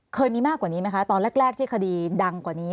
เคยมีมากกว่านี้ไหมคะตอนแรกที่คดีดังกว่านี้